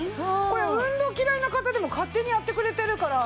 これ運動嫌いな方でも勝手にやってくれてるから。